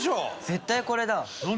絶対これだ。何？